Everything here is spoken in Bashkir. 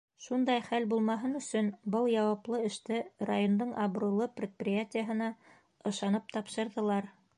Шундай хәл булмаһын өсөн был яуаплы эште райондың абруйлы предприятиеһына ышанып тапшырҙылар.